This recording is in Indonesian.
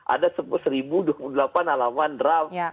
ada seribu dua puluh delapan alaman draft